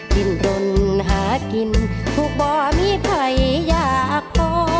กินต้นหากินถูกบ่อมีใครอยากก่อ